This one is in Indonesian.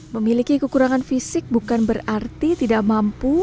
memiliki kekurangan fisik bukan berarti tidak mampu